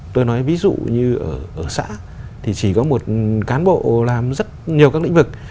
tôi nói ví dụ như ở xã thì chỉ có một cán bộ làm rất nhiều các lĩnh vực